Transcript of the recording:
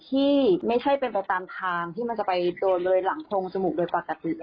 ที่ไม่ใช่เป็นไปตามทางที่มันจะไปโดนเลยหลังโพรงจมูกโดยปกติ